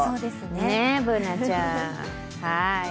ね、Ｂｏｏｎａちゃん。